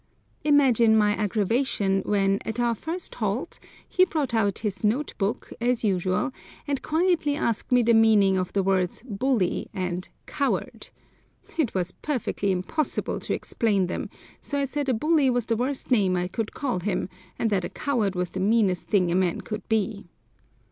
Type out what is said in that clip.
Imagine my aggravation when, at our first halt, he brought out his note book, as usual, and quietly asked me the meaning of the words "bully" and "coward." It was perfectly impossible to explain them, so I said a bully was the worst name I could call him, and that a coward was the meanest thing a man could be.